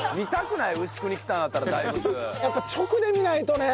やっぱ直で見ないとね。